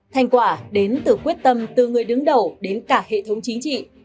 thành quả đến từ quyết tâm từ người đứng đầu đến cả hệ thống chính trị